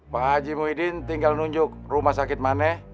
pak haji muhyiddin tinggal nunjuk rumah sakit mana